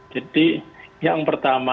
jadi yang pertama